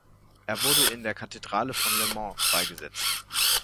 Er wurde in der Kathedrale von Le Mans beigesetzt.